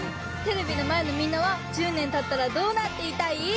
テレビのまえのみんなは１０年たったらどうなっていたい？